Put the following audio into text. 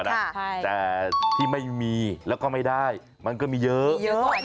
แต่ที่ไม่มีแล้วก็ไม่ได้มันก็มีเยอะเยอะ